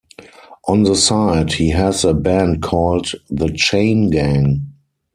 On the side, he has a band called The Chane Gang.